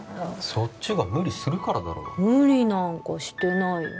そっちが無理するからだろ無理なんかしてないよ